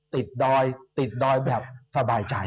ติดดอยด์แบบสบายใจ